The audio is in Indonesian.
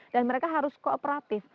dan mereka harus kooperatif